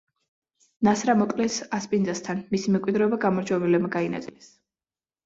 ნასრა მოკლეს ასპინძასთან, მისი მემკვიდრეობა გამარჯვებულებმა გაინაწილეს.